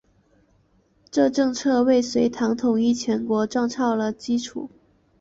这政策为隋唐一统全国创造了基础。